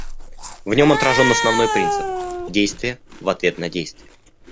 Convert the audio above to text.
В нем отражен основной принцип — действие в ответ на действие.